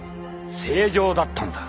正常だったのだ！